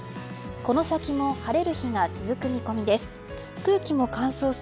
この先も晴れる日が続く見込みです。